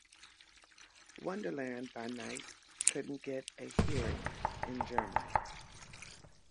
Wonderland by Night couldn't get a hearing in Germany.